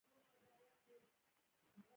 د مدرسې ناظم پنجابى دى.